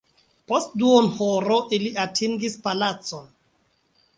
Post duonhoro ili atingis palacon.